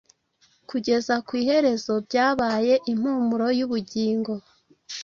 kugeza ku iherezo byabaye impumuro y’ubugingo